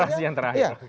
narasi yang terakhir